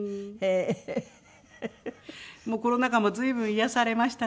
もうコロナ禍も随分癒やされましたね。